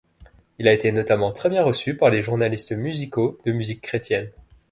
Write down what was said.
Il a été notamment très bien reçu par les journalistes musicaux de musique chrétienne.